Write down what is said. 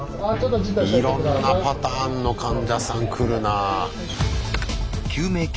いろんなパターンの患者さん来るなあ。